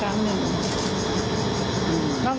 แล้วก็ไม่พบ